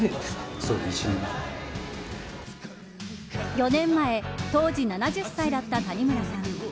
４年前、当時７０歳だった谷村さん。